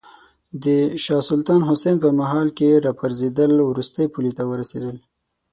د شاه سلطان حسین په مهال کې راپرزېدل وروستۍ پولې ته ورسېدل.